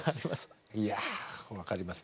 いや分かります。